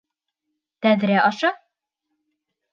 Тәҙрә аша?!